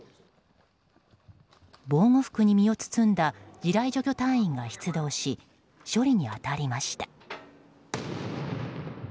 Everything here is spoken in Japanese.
防護服に身を包んだ地雷除去隊員が出動し処理に当たりました。